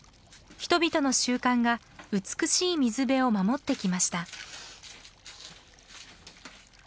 人々の習慣が美しい水辺を守ってきました。